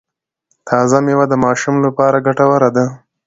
تازه میوه د ماشوم لپاره ګټوره ده۔